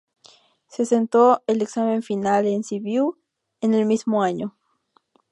Se sentó el examen final en Sibiu en el mismo año.